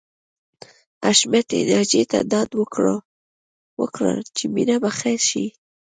حشمتي ناجیې ته ډاډ ورکړ چې مينه به ښه شي